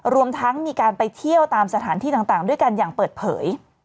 รวมทั้งมีการไปเที่ยวตามสถานที่ต่างด้วยกันอย่างเปิดเผย